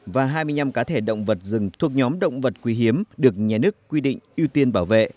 và hai mươi năm cá thể động vật rừng thuộc nhóm động vật quý hiếm được nhà nước quy định ưu tiên bảo vệ